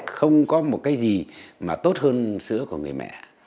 không có một cái gì mà tốt hơn sứa của người mẹ